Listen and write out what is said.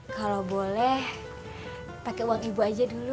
kalau boleh pakai uang ibu aja dulu